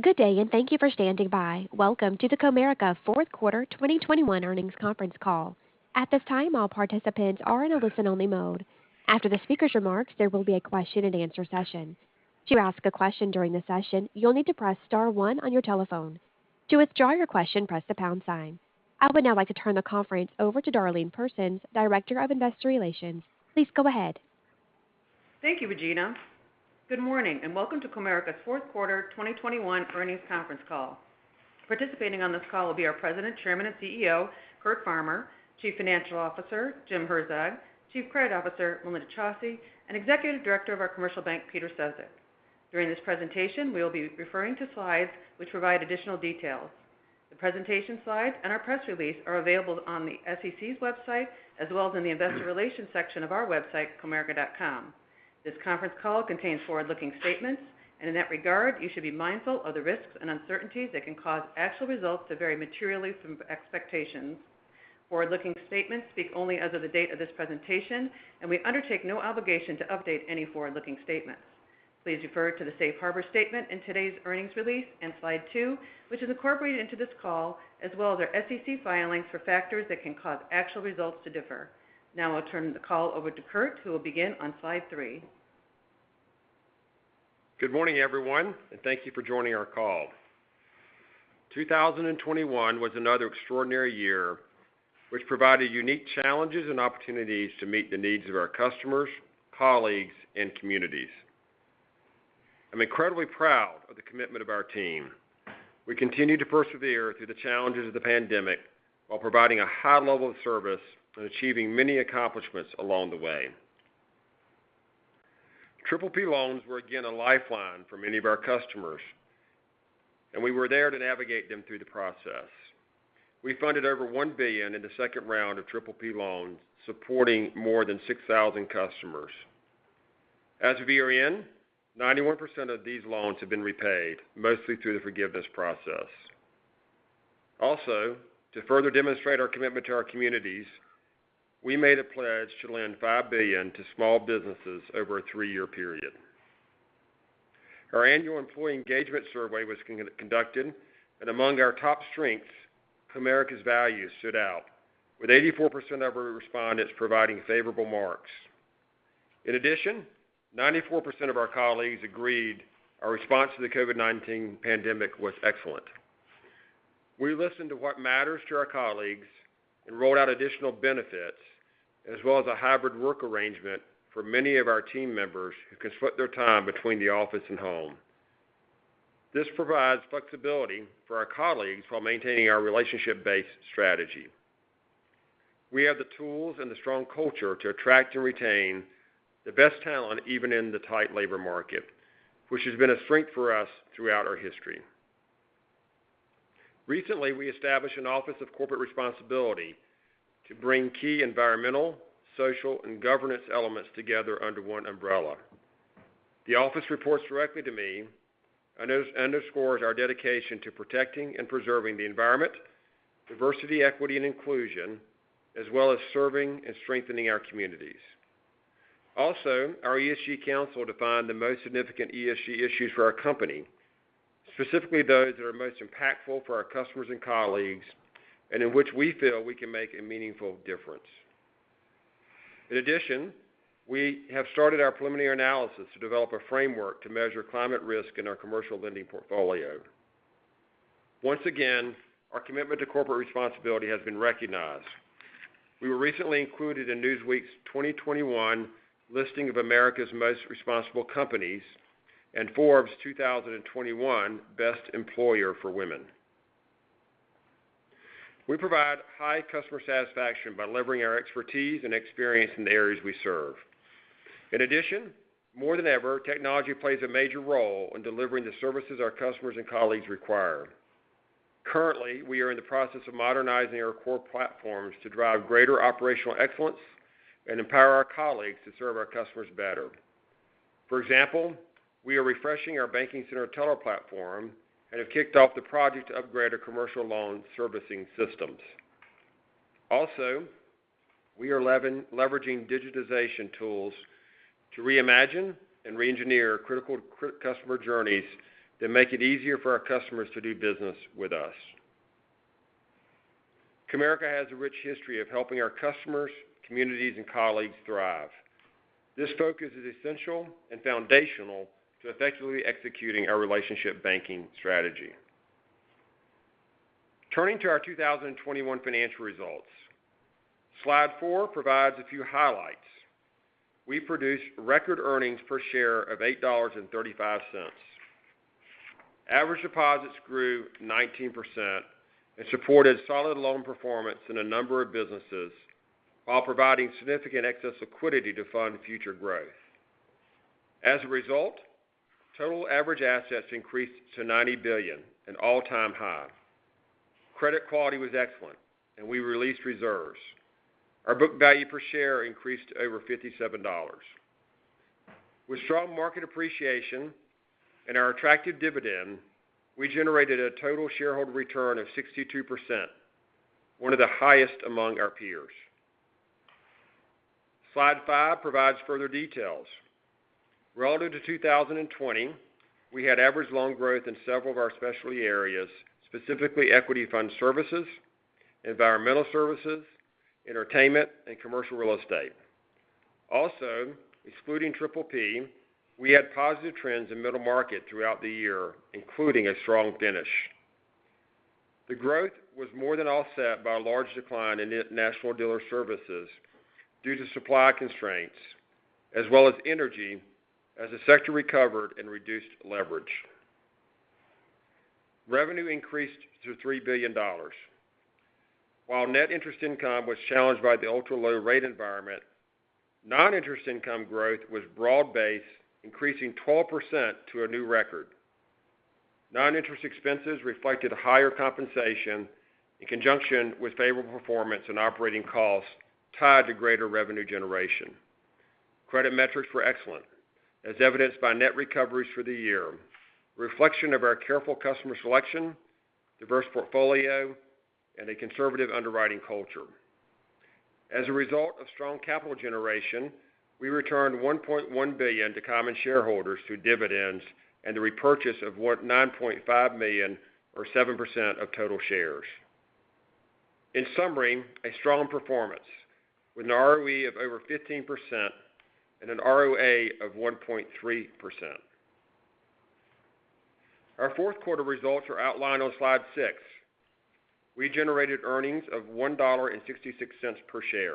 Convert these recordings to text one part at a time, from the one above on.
Good day, and thank you for standing by. Welcome to the Comerica fourth quarter 2021 earnings conference call. At this time, all participants are in a listen-only mode. After the speaker's remarks, there will be a question-and-answer session. To ask a question during the session, you'll need to press star one on your telephone. To withdraw your question, press the pound sign. I would now like to turn the conference over to Darlene Persons, Director of Investor Relations. Please go ahead. Thank you, Regina. Good morning, and welcome to Comerica's fourth quarter 2021 earnings conference call. Participating on this call will be our President, Chairman, and CEO, Curt Farmer, Chief Financial Officer, Jim Herzog, Chief Credit Officer, Melinda Chausse, and Executive Director of our Commercial Bank, Peter Sefzik. During this presentation, we'll be referring to slides which provide additional details. The presentation slides and our press release are available on the SEC's website as well as in the investor relations section of our website, comerica.com. This conference call contains forward-looking statements, and in that regard, you should be mindful of the risks and uncertainties that can cause actual results to vary materially from expectations. Forward-looking statements speak only as of the date of this presentation, and we undertake no obligation to update any forward-looking statements. Please refer to the Safe Harbor statement in today's earnings release in slide two, which is incorporated into this call, as well as our SEC filings for factors that can cause actual results to differ. Now I'll turn the call over to Curt, who will begin on slide three. Good morning, everyone, and thank you for joining our call. 2021 was another extraordinary year which provided unique challenges and opportunities to meet the needs of our customers, colleagues, and communities. I'm incredibly proud of the commitment of our team. We continue to persevere through the challenges of the pandemic while providing a high level of service and achieving many accomplishments along the way. PPP loans were again a lifeline for many of our customers, and we were there to navigate them through the process. We funded over $1 billion in the second round of PPP loans, supporting more than 6,000 customers. As of year-end, 91% of these loans have been repaid, mostly through the forgiveness process. Also, to further demonstrate our commitment to our communities, we made a pledge to lend $5 billion to small businesses over a three-year period. Our annual employee engagement survey was conducted, and among our top strengths, Comerica's values stood out, with 84% of our respondents providing favorable marks. In addition, 94% of our colleagues agreed our response to the COVID-19 pandemic was excellent. We listened to what matters to our colleagues and rolled out additional benefits as well as a hybrid work arrangement for many of our team members who can split their time between the office and home. This provides flexibility for our colleagues while maintaining our relationship-based strategy. We have the tools and the strong culture to attract and retain the best talent even in the tight labor market, which has been a strength for us throughout our history. Recently, we established an Office of Corporate Responsibility to bring key environmental, social, and governance elements together under one umbrella. The office reports directly to me and it underscores our dedication to protecting and preserving the environment, diversity, equity, and inclusion, as well as serving and strengthening our communities. Also, our ESG council defined the most significant ESG issues for our company, specifically those that are most impactful for our customers and colleagues and in which we feel we can make a meaningful difference. In addition, we have started our preliminary analysis to develop a framework to measure climate risk in our commercial lending portfolio. Once again, our commitment to corporate responsibility has been recognized. We were recently included in Newsweek's 2021 listing of America's Most Responsible Companies and Forbes' 2021 Best Employer for Women. We provide high customer satisfaction by delivering our expertise and experience in the areas we serve. In addition, more than ever, technology plays a major role in delivering the services our customers and colleagues require. Currently, we are in the process of modernizing our core platforms to drive greater operational excellence and empower our colleagues to serve our customers better. For example, we are refreshing our banking center teller platform and have kicked off the project to upgrade our commercial loan servicing systems. Also, we are leveraging digitization tools to reimagine and reengineer critical customer journeys that make it easier for our customers to do business with us. Comerica has a rich history of helping our customers, communities, and colleagues thrive. This focus is essential and foundational to effectively executing our relationship banking strategy. Turning to our 2021 financial results. Slide four provides a few highlights. We produced record earnings per share of $8.35. Average deposits grew 19% and supported solid loan performance in a number of businesses while providing significant excess liquidity to fund future growth. As a result, total average assets increased to $90 billion, an all-time high. Credit quality was excellent and we released reserves. Our book value per share increased over $57. With strong market appreciation and our attractive dividend, we generated a total shareholder return of 62%, one of the highest among our peers. Slide five provides further details. Relative to 2020, we had average loan growth in several of our specialty areas, specifically Equity Fund Services, Environmental Services, entertainment, and commercial real estate. Also, excluding PPP, we had positive trends in middle market throughout the year, including a strong finish. The growth was more than offset by a large decline in National Dealer Services due to supply constraints as well as energy as the sector recovered and reduced leverage. Revenue increased to $3 billion. While net interest income was challenged by the ultra-low rate environment, non-interest income growth was broad-based, increasing 12% to a new record. Non-interest expenses reflected higher compensation in conjunction with favorable performance and operating costs tied to greater revenue generation. Credit metrics were excellent, as evidenced by net recoveries for the year, reflection of our careful customer selection, diverse portfolio, and a conservative underwriting culture. As a result of strong capital generation, we returned $1.1 billion to common shareholders through dividends and the repurchase of 9.5 million or 7% of total shares. In summary, a strong performance with an ROE of over 15% and an ROA of 1.3%. Our fourth quarter results are outlined on slide six. We generated earnings of $1.66 per share.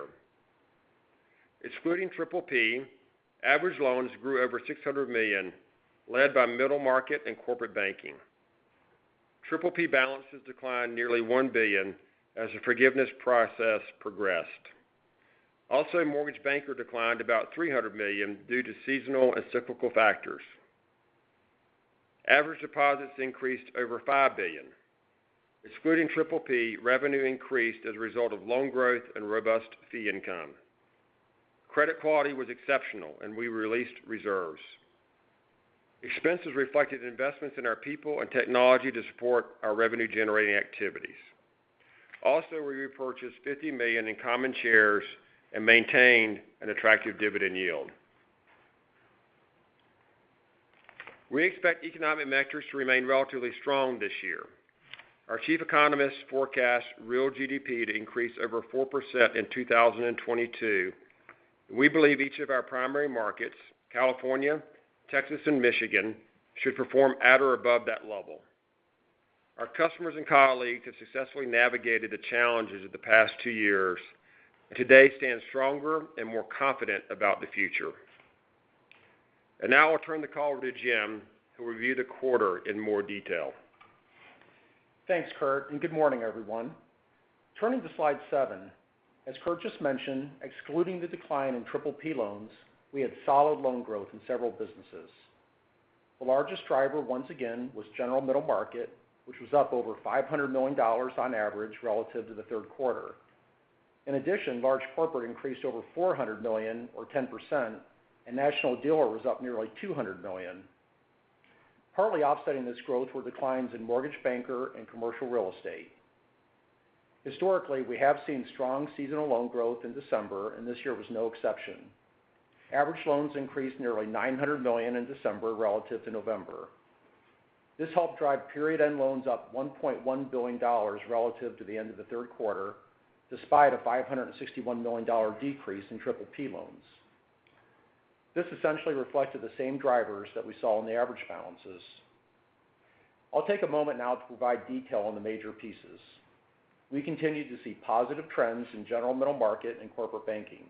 Excluding PPP, average loans grew over $600 million, led by middle market and corporate banking. PPP balances declined nearly $1 billion as the forgiveness process progressed. Also, Mortgage Banker declined about $300 million due to seasonal and cyclical factors. Average deposits increased over $5 billion. Excluding PPP, revenue increased as a result of loan growth and robust fee income. Credit quality was exceptional, and we released reserves. Expenses reflected investments in our people and technology to support our revenue-generating activities. Also, we repurchased $50 million in common shares and maintained an attractive dividend yield. We expect economic metrics to remain relatively strong this year. Our chief economist forecasts real GDP to increase over 4% in 2022. We believe each of our primary markets, California, Texas, and Michigan, should perform at or above that level. Our customers and colleagues have successfully navigated the challenges of the past 2 years and today stand stronger and more confident about the future. Now I'll turn the call over to Jim to review the quarter in more detail. Thanks, Curt, and good morning, everyone. Turning to slide seven, as Kurt just mentioned, excluding the decline in PPP loans, we had solid loan growth in several businesses. The largest driver, once again, was general middle market, which was up over $500 million on average relative to the third quarter. In addition, large corporate increased over $400 million or 10%, and national dealer was up nearly $200 million. Partly offsetting this growth were declines in mortgage banker and commercial real estate. Historically, we have seen strong seasonal loan growth in December, and this year was no exception. Average loans increased nearly $900 million in December relative to November. This helped drive period-end loans up $1.1 billion relative to the end of the third quarter, despite a $561 million decrease in PPP loans. This essentially reflected the same drivers that we saw in the average balances. I'll take a moment now to provide detail on the major pieces. We continue to see positive trends in general middle market and corporate banking.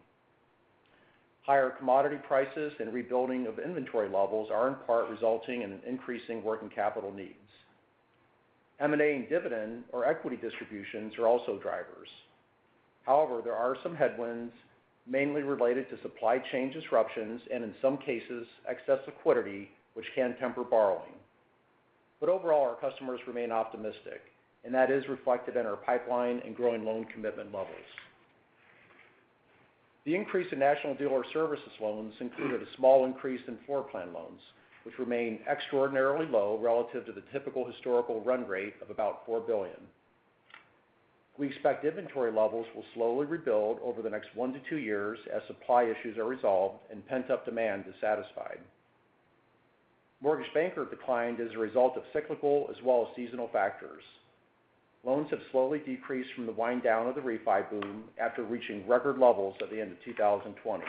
Higher commodity prices and rebuilding of inventory levels are in part resulting in an increasing working capital needs. M&A and dividend or equity distributions are also drivers. However, there are some headwinds mainly related to supply chain disruptions and, in some cases, excess liquidity, which can temper borrowing. Overall, our customers remain optimistic, and that is reflected in our pipeline and growing loan commitment levels. The increase in National Dealer Services loans included a small increase in floor plan loans, which remain extraordinarily low relative to the typical historical run rate of about $4 billion. We expect inventory levels will slowly rebuild over the next 1-2 years as supply issues are resolved and pent-up demand is satisfied. Mortgage Banker declined as a result of cyclical as well as seasonal factors. Loans have slowly decreased from the wind down of the refi boom after reaching record levels at the end of 2020.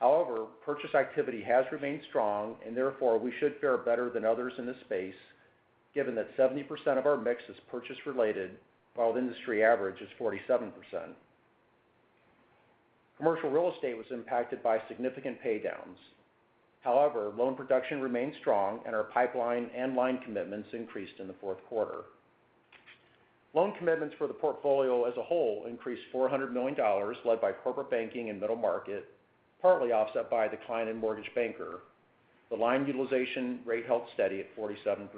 However, purchase activity has remained strong, and therefore, we should fare better than others in this space, given that 70% of our mix is purchase-related, while the industry average is 47%. Commercial real estate was impacted by significant pay downs. However, loan production remained strong, and our pipeline and line commitments increased in the fourth quarter. Loan commitments for the portfolio as a whole increased $400 million, led by corporate banking and middle market, partly offset by a decline in Mortgage Banker. The line utilization rate held steady at 47%.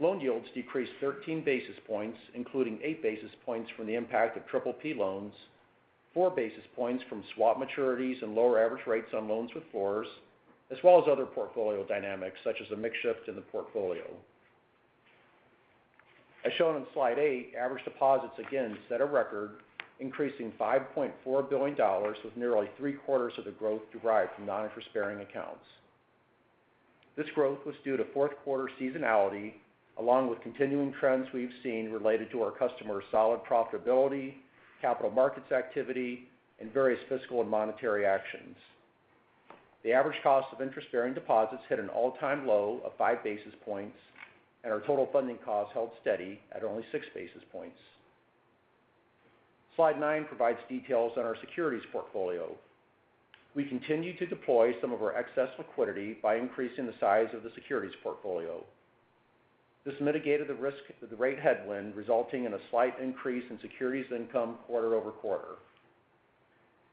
Loan yields decreased 13 basis points, including 8 basis points from the impact of PPP loans, 4 basis points from swap maturities and lower average rates on loans with floors, as well as other portfolio dynamics such as a mix shift in the portfolio. As shown on slide eight, average deposits again set a record, increasing $5.4 billion, with nearly three-quarters of the growth derived from non-interest-bearing accounts. This growth was due to fourth quarter seasonality, along with continuing trends we've seen related to our customers' solid profitability, capital markets activity, and various fiscal and monetary actions. The average cost of interest-bearing deposits hit an all-time low of 5 basis points, and our total funding costs held steady at only 6 basis points. Slide nine provides details on our securities portfolio. We continued to deploy some of our excess liquidity by increasing the size of the securities portfolio. This mitigated the risk of the rate headwind, resulting in a slight increase in securities income quarter-over-quarter.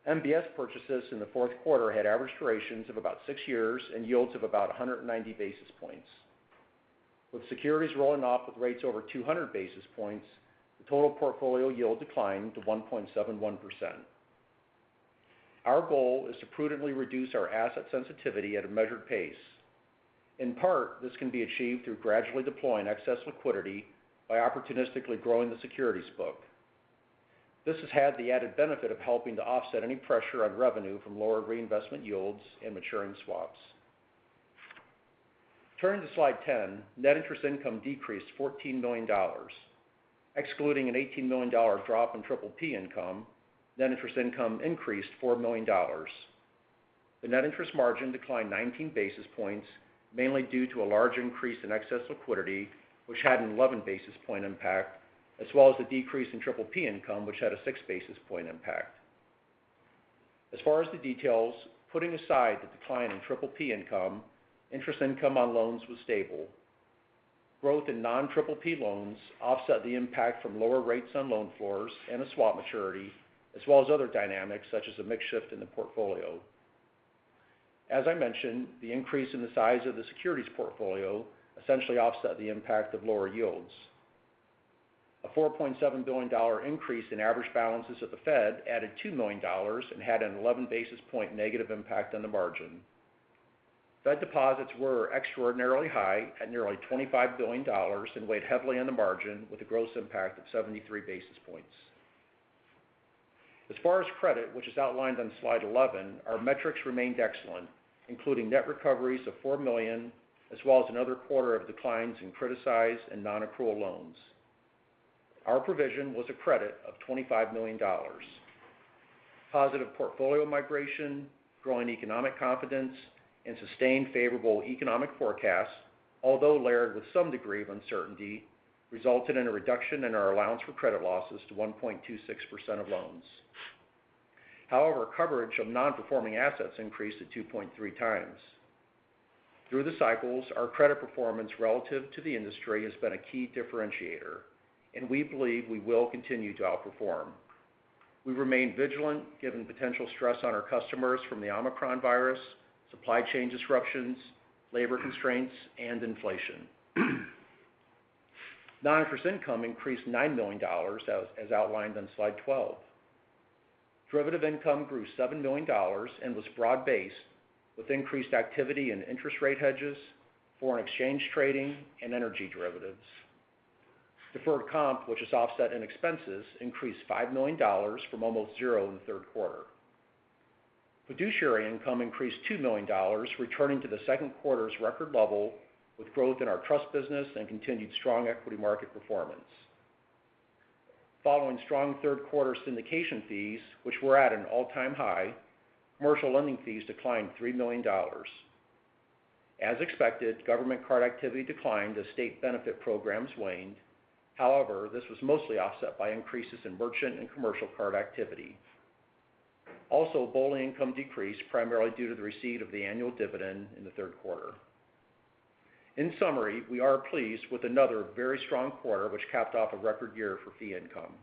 MBS purchases in the fourth quarter had average durations of about 6 years and yields of about 190 basis points. With securities rolling off with rates over 200 basis points, the total portfolio yield declined to 1.71%. Our goal is to prudently reduce our asset sensitivity at a measured pace. In part, this can be achieved through gradually deploying excess liquidity by opportunistically growing the securities book. This has had the added benefit of helping to offset any pressure on revenue from lower reinvestment yields and maturing swaps. Turning to slide 10, net interest income decreased $14 million. Excluding a $18 million drop in PPP income, net interest income increased $4 million. The net interest margin declined 19 basis points, mainly due to a large increase in excess liquidity, which had an 11 basis point impact, as well as the decrease in PPP income, which had a six basis point impact. As far as the details, putting aside the decline in PPP income, interest income on loans was stable. Growth in non-PPP loans offset the impact from lower rates on loan floors and a swap maturity, as well as other dynamics, such as a mix shift in the portfolio. As I mentioned, the increase in the size of the securities portfolio essentially offset the impact of lower yields. A $4.7 billion increase in average balances at the Fed added $2 million and had an 11 basis point negative impact on the margin. Fed deposits were extraordinarily high at nearly $25 billion and weighed heavily on the margin, with a gross impact of 73 basis points. As far as credit, which is outlined on slide 11, our metrics remained excellent, including net recoveries of $4 million, as well as another quarter of declines in criticized and non-accrual loans. Our provision was a credit of $25 million. Positive portfolio migration, growing economic confidence, and sustained favorable economic forecasts, although layered with some degree of uncertainty, resulted in a reduction in our allowance for credit losses to 1.26% of loans. However, coverage of non-performing assets increased to 2.3x. Through the cycles, our credit performance relative to the industry has been a key differentiator, and we believe we will continue to outperform. We remain vigilant given potential stress on our customers from the Omicron virus, supply chain disruptions, labor constraints, and inflation. Non-interest income increased $9 million, as outlined on slide 12. Derivative income grew $7 million and was broad-based, with increased activity in interest rate hedges, foreign exchange trading, and energy derivatives. Deferred comp, which is offset in expenses, increased $5 million from almost zero in the third quarter. Fiduciary income increased $2 million, returning to the second quarter's record level, with growth in our trust business and continued strong equity market performance. Following strong third quarter syndication fees, which were at an all-time high, commercial lending fees declined $3 million. As expected, government card activity declined as state benefit programs waned. However, this was mostly offset by increases in merchant and commercial card activity. Also, BOLI income decreased, primarily due to the receipt of the annual dividend in the third quarter. In summary, we are pleased with another very strong quarter which capped off a record year for fee income.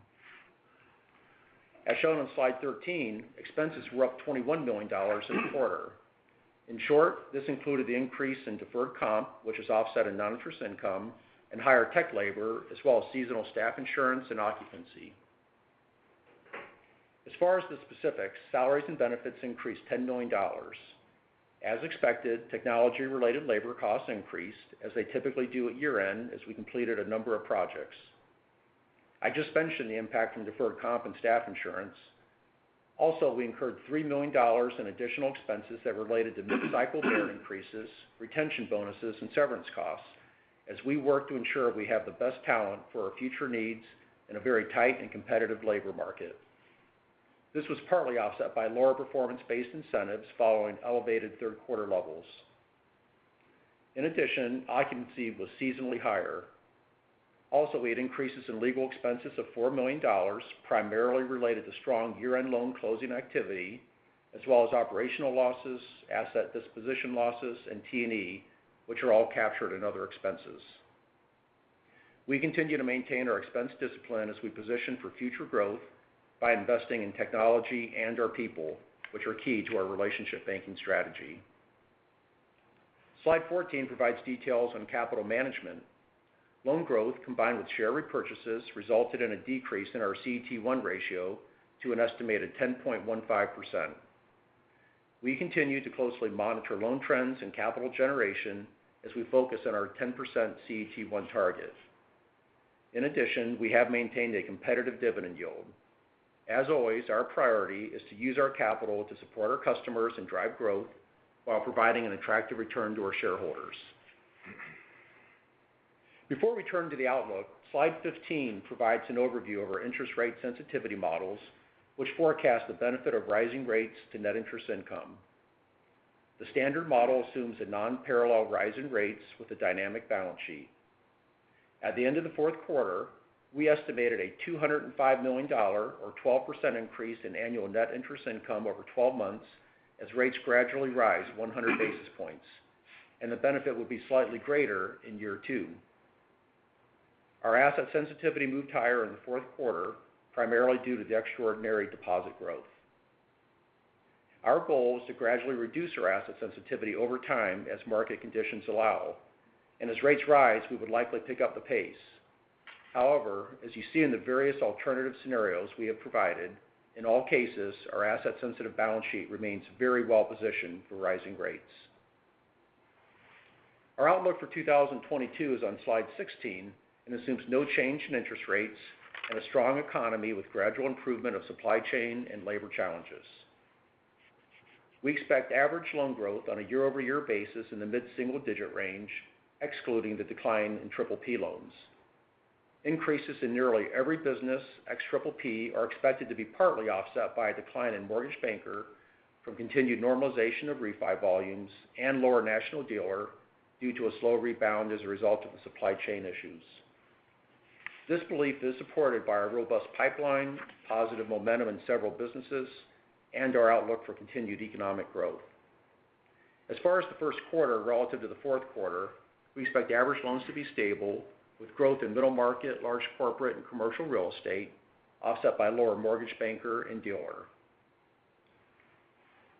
As shown on slide 13, expenses were up $21 million in the quarter. In short, this included the increase in deferred comp, which is offset in non-interest income, and higher tech labor, as well as seasonal staff insurance and occupancy. As far as the specifics, salaries and benefits increased $10 million. As expected, technology-related labor costs increased, as they typically do at year-end, as we completed a number of projects. I just mentioned the impact from deferred comp and staff insurance. Also, we incurred $3 million in additional expenses that related to mid-cycle hire increases, retention bonuses, and severance costs as we work to ensure we have the best talent for our future needs in a very tight and competitive labor market. This was partly offset by lower performance-based incentives following elevated third quarter levels. In addition, occupancy was seasonally higher. Also, we had increases in legal expenses of $4 million, primarily related to strong year-end loan closing activity, as well as operational losses, asset disposition losses, and T&E, which are all captured in other expenses. We continue to maintain our expense discipline as we position for future growth by investing in technology and our people, which are key to our relationship banking strategy. Slide 14 provides details on capital management. Loan growth, combined with share repurchases, resulted in a decrease in our CET1 ratio to an estimated 10.15%. We continue to closely monitor loan trends and capital generation as we focus on our 10% CET1 target. In addition, we have maintained a competitive dividend yield. As always, our priority is to use our capital to support our customers and drive growth while providing an attractive return to our shareholders. Before we turn to the outlook, slide 15 provides an overview of our interest rate sensitivity models, which forecast the benefit of rising rates to net interest income. The standard model assumes a non-parallel rise in rates with a dynamic balance sheet. At the end of the fourth quarter, we estimated a $205 million or 12% increase in annual net interest income over 12 months as rates gradually rise 100 basis points, and the benefit will be slightly greater in year 2. Our asset sensitivity moved higher in the fourth quarter, primarily due to the extraordinary deposit growth. Our goal is to gradually reduce our asset sensitivity over time as market conditions allow. As rates rise, we would likely pick up the pace. However, as you see in the various alternative scenarios we have provided, in all cases, our asset-sensitive balance sheet remains very well positioned for rising rates. Our outlook for 2022 is on slide 16 and assumes no change in interest rates and a strong economy with gradual improvement of supply chain and labor challenges. We expect average loan growth on a year-over-year basis in the mid-single digit range, excluding the decline in PPP loans. Increases in nearly every business, ex PPP, are expected to be partly offset by a decline in Mortgage Banker from continued normalization of refi volumes and lower National Dealer due to a slow rebound as a result of the supply chain issues. This belief is supported by our robust pipeline, positive momentum in several businesses, and our outlook for continued economic growth. As far as the first quarter relative to the fourth quarter, we expect average loans to be stable, with growth in middle market, large corporate and commercial real estate offset by lower Mortgage Banker and dealer.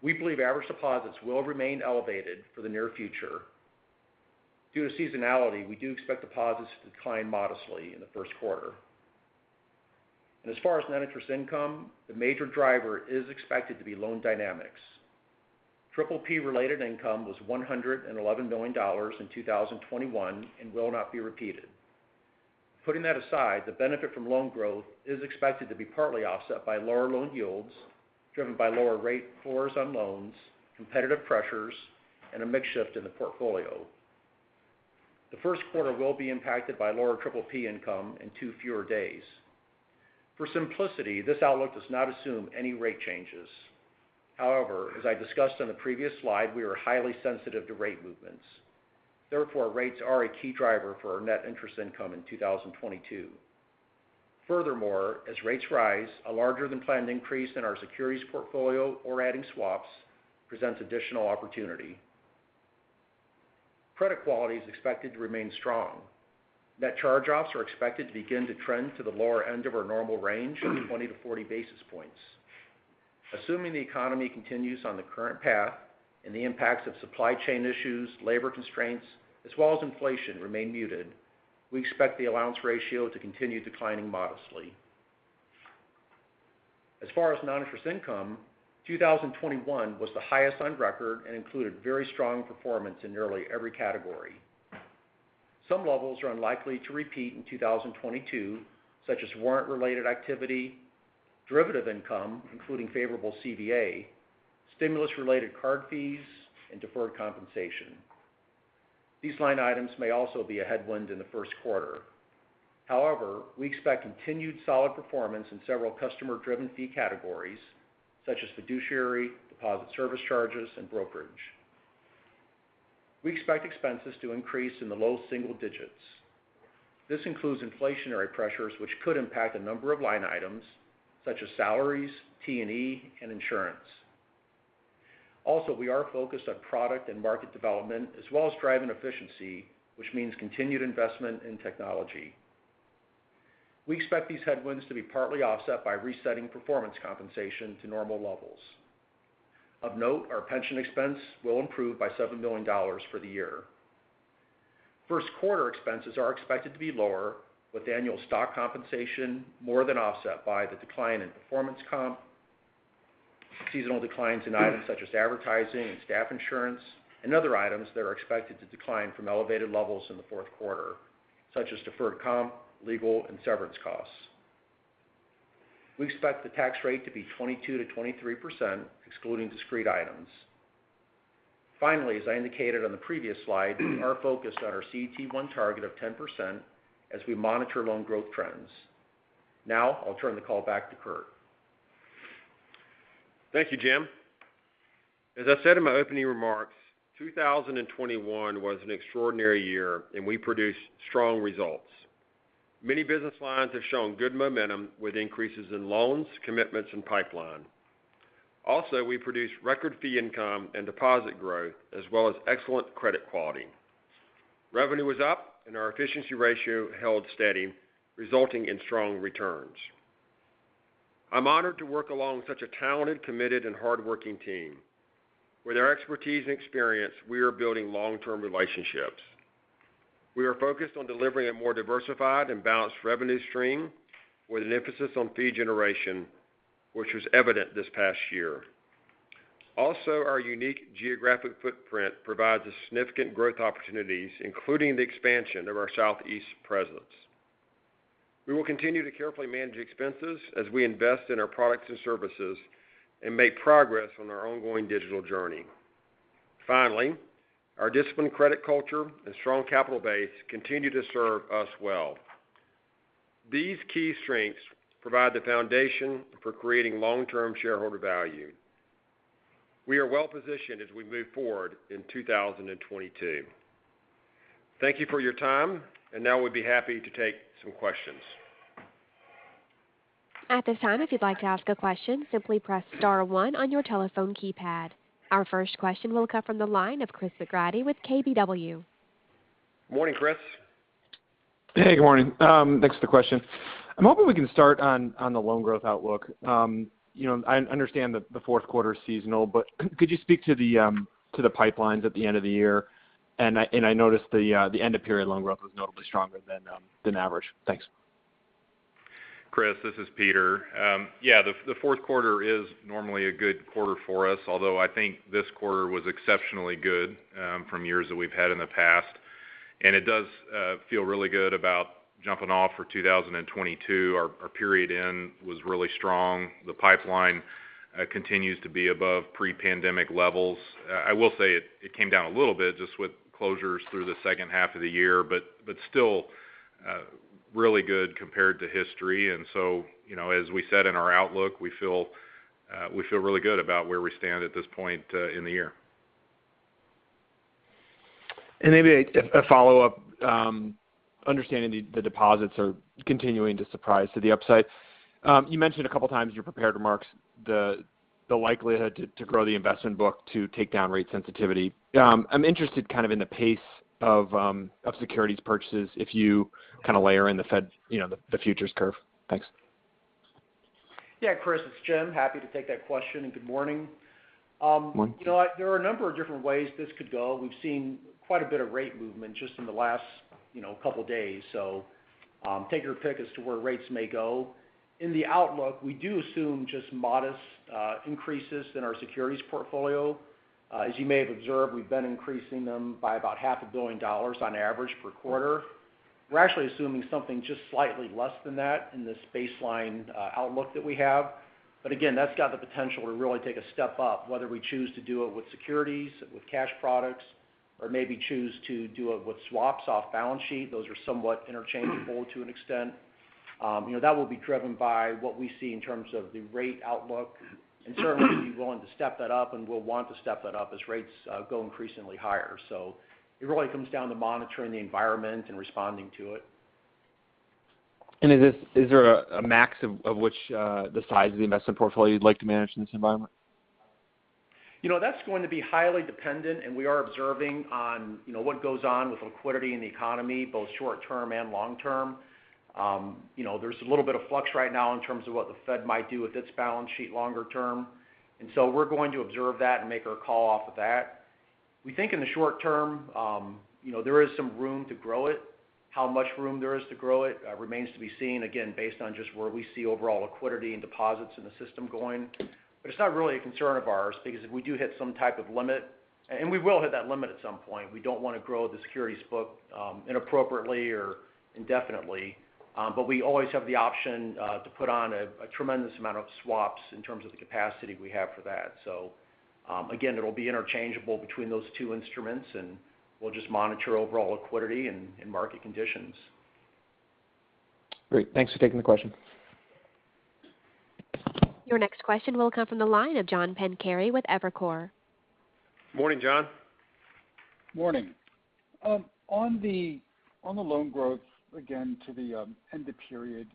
We believe average deposits will remain elevated for the near future. Due to seasonality, we do expect deposits to decline modestly in the first quarter. As far as net interest income, the major driver is expected to be loan dynamics. PPP-related income was $111 million in 2021 and will not be repeated. Putting that aside, the benefit from loan growth is expected to be partly offset by lower loan yields, driven by lower rate floors on loans, competitive pressures, and a mix shift in the portfolio. The first quarter will be impacted by lower PPP income and two fewer days. For simplicity, this outlook does not assume any rate changes. However, as I discussed on the previous slide, we are highly sensitive to rate movements. Therefore, rates are a key driver for our net interest income in 2022. Furthermore, as rates rise, a larger than planned increase in our securities portfolio or adding swaps presents additional opportunity. Credit quality is expected to remain strong. Net charge-offs are expected to begin to trend to the lower end of our normal range of 20 basis points-40 basis points. Assuming the economy continues on the current path and the impacts of supply chain issues, labor constraints, as well as inflation remain muted, we expect the allowance ratio to continue declining modestly. As far as non-interest income, 2021 was the highest on record and included very strong performance in nearly every category. Some levels are unlikely to repeat in 2022, such as warrant-related activity, derivative income, including favorable CVA, stimulus-related card fees, and deferred compensation. These line items may also be a headwind in the first quarter. However, we expect continued solid performance in several customer-driven fee categories, such as fiduciary, deposit service charges, and brokerage. We expect expenses to increase in the low single digits. This includes inflationary pressures which could impact a number of line items, such as salaries, T&E, and insurance. We are focused on product and market development as well as driving efficiency, which means continued investment in technology. We expect these headwinds to be partly offset by resetting performance compensation to normal levels. Of note, our pension expense will improve by $7 million for the year. First quarter expenses are expected to be lower, with annual stock compensation more than offset by the decline in performance comp, seasonal declines in items such as advertising and staff insurance, and other items that are expected to decline from elevated levels in the fourth quarter, such as deferred comp, legal, and severance costs. We expect the tax rate to be 22%-23%, excluding discrete items. Finally, as I indicated on the previous slide, we are focused on our CET1 target of 10% as we monitor loan growth trends. Now I'll turn the call back to Curt. Thank you, Jim. As I said in my opening remarks, 2021 was an extraordinary year, and we produced strong results. Many business lines have shown good momentum with increases in loans, commitments, and pipeline. Also, we produced record fee income and deposit growth as well as excellent credit quality. Revenue was up and our efficiency ratio held steady, resulting in strong returns. I'm honored to work along such a talented, committed, and hardworking team. With our expertise and experience, we are building long-term relationships. We are focused on delivering a more diversified and balanced revenue stream with an emphasis on fee generation, which was evident this past year. Also, our unique geographic footprint provides us significant growth opportunities, including the expansion of our Southeast presence. We will continue to carefully manage expenses as we invest in our products and services and make progress on our ongoing digital journey. Finally, our disciplined credit culture and strong capital base continue to serve us well. These key strengths provide the foundation for creating long-term shareholder value. We are well-positioned as we move forward in 2022. Thank you for your time, and now we'd be happy to take some questions. At this time, if you'd like to ask a question, simply press star one on your telephone keypad. Our first question will come from the line of Chris McGratty with KBW. Morning, Chris. Hey, good morning. Thanks for the question. I'm hoping we can start on the loan growth outlook. You know, I understand that the fourth quarter's seasonal, but could you speak to the pipelines at the end of the year? I noticed the end of period loan growth was notably stronger than average. Thanks. Chris, this is Peter. Yeah, the fourth quarter is normally a good quarter for us, although I think this quarter was exceptionally good from years that we've had in the past. It does feel really good about jumping off for 2022. Our period end was really strong. The pipeline continues to be above pre-pandemic levels. I will say it came down a little bit just with closures through the second half of the year, but still really good compared to history. You know, as we said in our outlook, we feel really good about where we stand at this point in the year. Maybe a follow-up. Understanding the deposits are continuing to surprise to the upside. You mentioned a couple times in your prepared remarks the likelihood to grow the investment book to take down rate sensitivity. I'm interested kind of in the pace of securities purchases, if you kind of layer in the Fed, you know, the futures curve? Thanks. Yeah, Chris, it's Jim. Happy to take that question, and good morning. You know what? There are a number of different ways this could go. We've seen quite a bit of rate movement just in the last, you know, couple days. Take your pick as to where rates may go. In the outlook, we do assume just modest increases in our securities portfolio. As you may have observed, we've been increasing them by about $500 million on average per quarter. We're actually assuming something just slightly less than that in this baseline outlook that we have. Again, that's got the potential to really take a step up, whether we choose to do it with securities, with cash products, or maybe choose to do it with swaps off balance sheet. Those are somewhat interchangeable to an extent. You know, that will be driven by what we see in terms of the rate outlook, and certainly be willing to step that up, and we'll want to step that up as rates go increasingly higher. It really comes down to monitoring the environment and responding to it. Is there a max of which the size of the investment portfolio you'd like to manage in this environment? You know, that's going to be highly dependent, and we are observing on, you know, what goes on with liquidity in the economy, both short term and long term. You know, there's a little bit of flux right now in terms of what the Fed might do with its balance sheet longer term, and so we're going to observe that and make our call off of that. We think in the short term, you know, there is some room to grow it. How much room there is to grow it remains to be seen, again, based on just where we see overall liquidity and deposits in the system going. But it's not really a concern of ours because if we do hit some type of limit, and we will hit that limit at some point, we don't wanna grow the securities book inappropriately or indefinitely. We always have the option to put on a tremendous amount of swaps in terms of the capacity we have for that. Again, it'll be interchangeable between those two instruments, and we'll just monitor overall liquidity and market conditions. Great. Thanks for taking the question. Your next question will come from the line of John Pancari with Evercore. Morning, John. Morning. On the loan growth, again, to the end of period,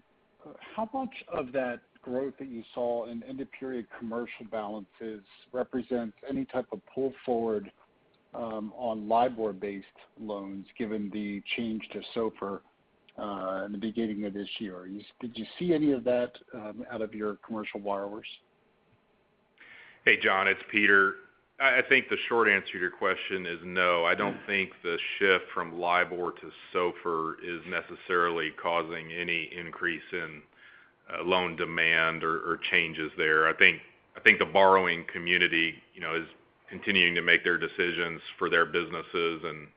how much of that growth that you saw in end of period commercial balances represent any type of pull forward on LIBOR-based loans given the change to SOFR in the beginning of this year? Did you see any of that out of your commercial borrowers? Hey, Jon, it's Peter. I think the short answer to your question is no. I don't think the shift from LIBOR to SOFR is necessarily causing any increase in loan demand or changes there. I think the borrowing community, you know, is continuing to make their decisions for their businesses and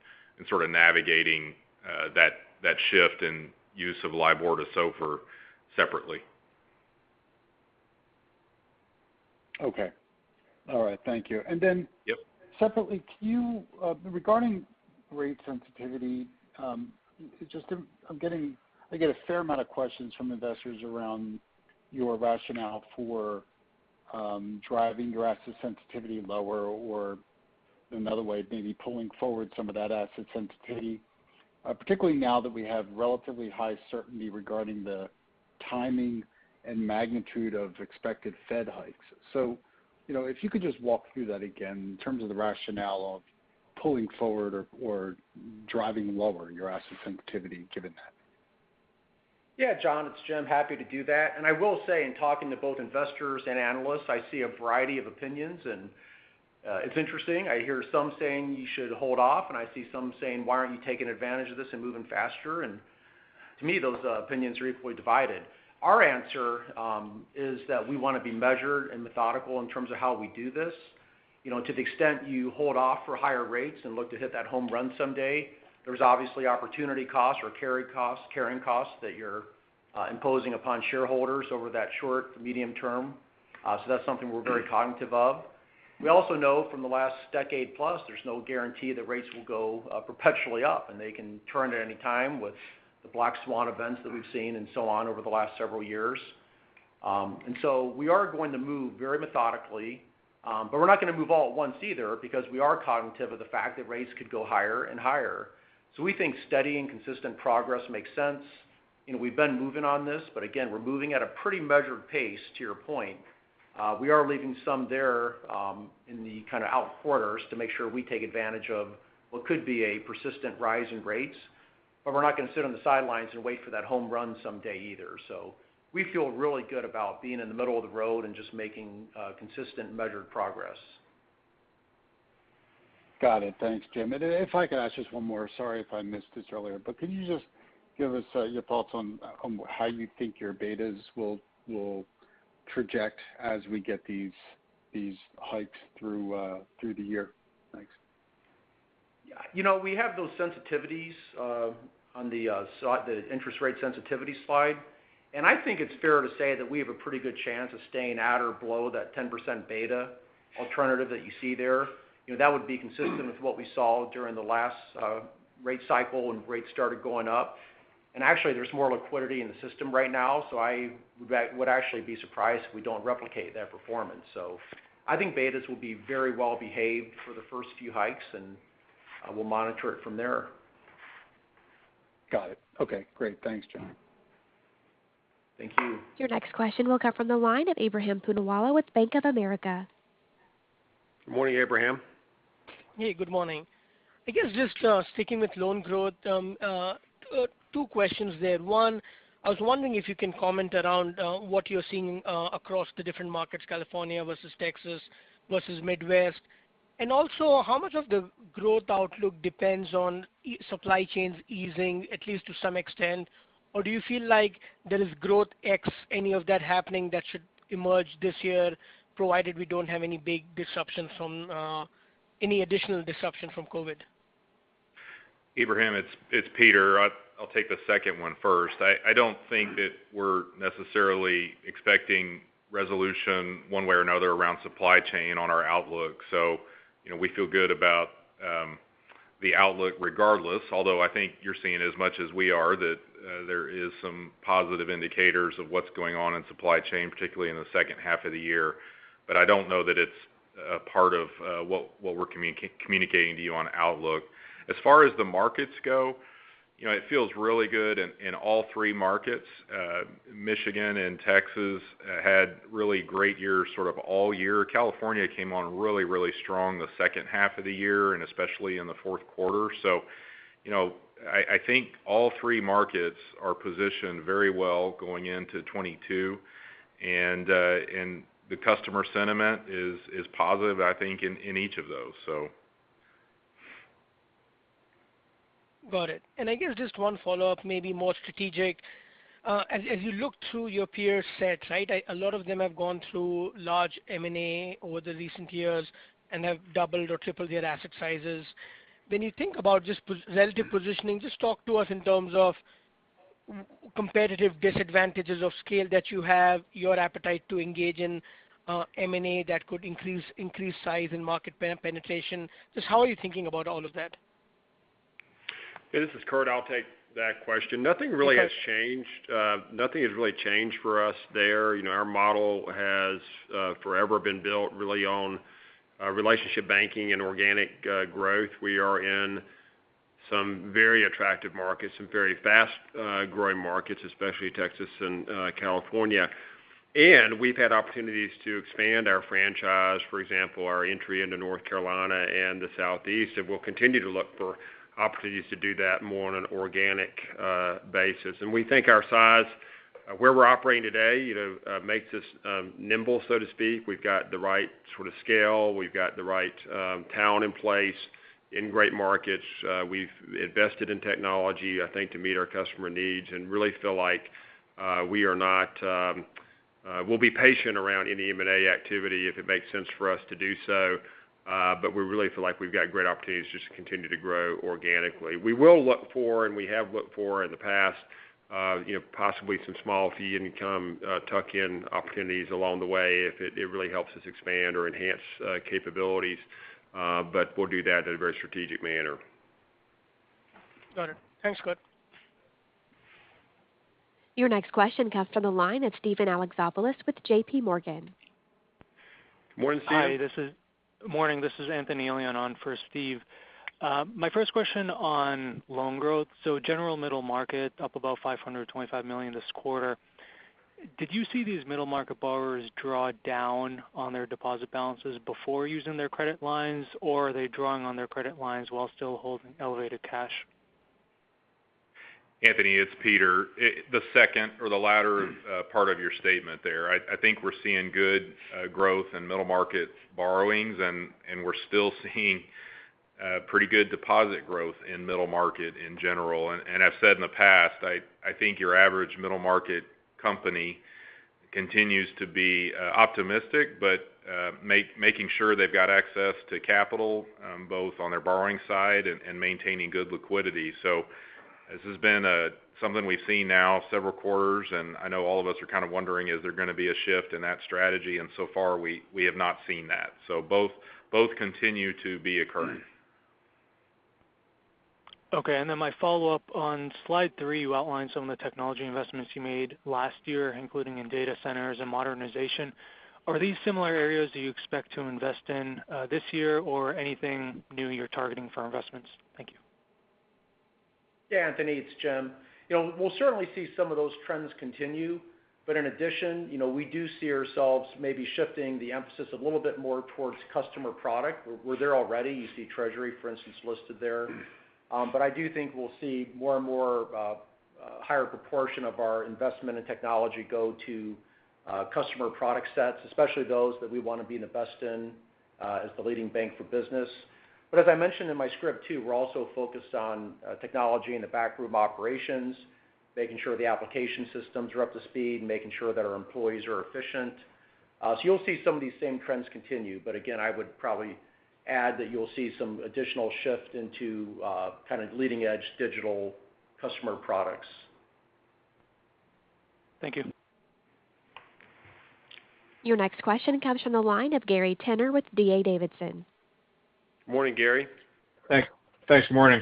sort of navigating that shift and use of LIBOR to SOFR separately. Okay. All right. Thank you. Separately, can you, regarding rate sensitivity, I get a fair amount of questions from investors around your rationale for driving your asset sensitivity lower or, in another way, maybe pulling forward some of that asset sensitivity, particularly now that we have relatively high certainty regarding the timing and magnitude of expected Fed hikes. You know, if you could just walk through that again in terms of the rationale of pulling forward or driving lower your asset sensitivity given that? Yeah, John, it's Jim. Happy to do that. I will say in talking to both investors and analysts, I see a variety of opinions, and it's interesting. I hear some saying you should hold off, and I see some saying, why aren't you taking advantage of this and moving faster? To me, those opinions are equally divided. Our answer is that we want to be measured and methodical in terms of how we do this. You know, to the extent you hold off for higher rates and look to hit that home run someday, there's obviously opportunity costs or carry costs, carrying costs that you're imposing upon shareholders over that short to medium term. That's something we're very cognitive of. We also know from the last decade plus, there's no guarantee that rates will go perpetually up, and they can turn at any time with the black swan events that we've seen and so on over the last several years. We are going to move very methodically, but we're not gonna move all at once either because we are cognitive of the fact that rates could go higher and higher. We think steady and consistent progress makes sense. You know, we've been moving on this, but again, we're moving at a pretty measured pace to your point. We are leaving some there in the kind of out quarters to make sure we take advantage of what could be a persistent rise in rates, but we're not gonna sit on the sidelines and wait for that home run someday either. We feel really good about being in the middle of the road and just making consistent measured progress. Got it. Thanks, Jim. If I could ask just one more, sorry if I missed this earlier. Can you just give us your thoughts on how you think your betas will trajectory as we get these hikes through the year? Thanks. You know, we have those sensitivities on the interest rate sensitivity slide. I think it's fair to say that we have a pretty good chance of staying at or below that 10% beta alternative that you see there. You know, that would be consistent with what we saw during the last rate cycle when rates started going up. Actually there's more liquidity in the system right now. I would actually be surprised if we don't replicate that performance. I think betas will be very well behaved for the first few hikes, and we'll monitor it from there. Got it. Okay, great. Thanks, Jim. Thank you. Your next question will come from the line of Ebrahim Poonawala with Bank of America. Good morning, Ebrahim. Hey, good morning. I guess just sticking with loan growth, two questions there. One, I was wondering if you can comment around what you're seeing across the different markets, California versus Texas versus Midwest. Also, how much of the growth outlook depends on supply chains easing at least to some extent? Or do you feel like there is growth x any of that happening that should emerge this year provided we don't have any big disruptions from any additional disruption from COVID? Abraham, it's Peter. I'll take the second one first. I don't think that we're necessarily expecting resolution one way or another around supply chain on our outlook. You know, we feel good about the outlook regardless. Although I think you're seeing as much as we are that there is some positive indicators of what's going on in supply chain, particularly in the second half of the year. I don't know that it's a part of what we're communicating to you on outlook. As far as the markets go, you know, it feels really good in all three markets. Michigan and Texas had really great years sort of all year. California came on really, really strong the second half of the year and especially in the fourth quarter. You know, I think all three markets are positioned very well going into 2022. The customer sentiment is positive, I think, in each of those. Got it. I guess just one follow-up, maybe more strategic. As you look through your peer set, right, a lot of them have gone through large M&A over the recent years and have doubled or tripled their asset sizes. When you think about just relative positioning, just talk to us in terms of competitive disadvantages of scale that you have, your appetite to engage in M&A that could increase size and market penetration. Just how are you thinking about all of that? Yeah, this is Curt. I'll take that question. Nothing really has changed for us there. You know, our model has forever been built really on relationship banking and organic growth. We are in some very attractive markets, some very fast growing markets, especially Texas and California. We've had opportunities to expand our franchise, for example, our entry into North Carolina and the Southeast, and we'll continue to look for opportunities to do that more on an organic basis. We think our size where we're operating today, you know, makes us nimble, so to speak. We've got the right sort of scale. We've got the right talent in place in great markets. We've invested in technology, I think, to meet our customer needs and really feel like we'll be patient around any M&A activity if it makes sense for us to do so. We really feel like we've got great opportunities just to continue to grow organically. We will look for and we have looked for in the past, you know, possibly some small fee income tuck-in opportunities along the way if it really helps us expand or enhance capabilities. We'll do that in a very strategic manner. Got it. Thanks, Curt. Your next question comes from the line of Steven Alexopoulos with JPMorgan. Morning, Steve. Morning, this is Anthony Elian on for Steve. My first question on loan growth, general middle market up about $525 million this quarter. Did you see these middle-market borrowers draw down on their deposit balances before using their credit lines, or are they drawing on their credit lines while still holding elevated cash? Anthony, it's Peter. The second or the latter part of your statement there. I think we're seeing good growth in middle market borrowings, and we're still seeing pretty good deposit growth in middle market in general. I've said in the past, I think your average middle-market company continues to be optimistic, but making sure they've got access to capital, both on their borrowing side and maintaining good liquidity. This has been something we've seen now several quarters, and I know all of us are kind of wondering, is there gonna be a shift in that strategy? So far, we have not seen that. Both continue to be occurring. Okay. My follow-up, on slide three, you outlined some of the technology investments you made last year, including in data centers and modernization. Are these similar areas that you expect to invest in, this year or anything new you're targeting for investments? Thank you. Yeah, Anthony, it's Jim. You know, we'll certainly see some of those trends continue. In addition, you know, we do see ourselves maybe shifting the emphasis a little bit more towards customer product. We're there already. You see Treasury, for instance, listed there. I do think we'll see more and more higher proportion of our investment in technology go to customer product sets, especially those that we wanna be the best in as the leading bank for business. As I mentioned in my script too, we're also focused on technology in the back room operations, making sure the application systems are up to speed and making sure that our employees are efficient. You'll see some of these same trends continue, but again, I would probably add that you'll see some additional shift into kind of leading-edge digital customer products. Thank you. Your next question comes from the line of Gary Tenner with D.A. Davidson. Morning, Gary. Thanks. Good morning.